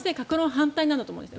反対なんだと思います。